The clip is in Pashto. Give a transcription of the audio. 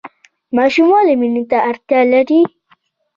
ماشوم ولې مینې ته اړتیا لري؟